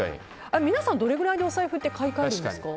皆さん、どれぐらいでお財布って買い替えるんですか？